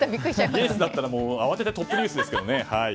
イエスだったら慌ててトップニュースですけどね。